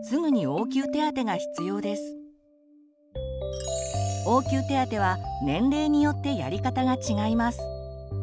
応急手当は年齢によってやり方が違います。